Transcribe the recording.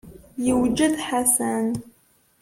Yewjed Ḥasan.